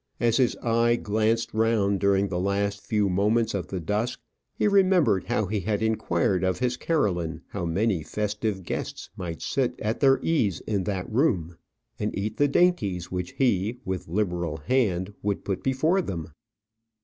As his eye glanced round during the last few moments of the dusk, he remembered how he had inquired of his Caroline how many festive guests might sit at their ease in that room, and eat the dainties which he, with liberal hand, would put before them.